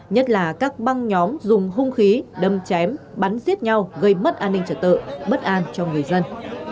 nhất là các băng nhóm dùng hung khí đâm chém bắn giết nhau gây mất an ninh trật tự bất an cho người dân